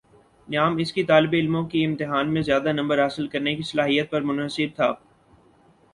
نعام اس کی طالبعلموں کی امتحان میں زیادہ نمبر حاصل کرنے کی صلاحیت پر منحصر تھا